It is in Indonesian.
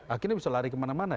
akhirnya bisa lari kemana mana